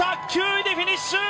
９位でフィニッシュ！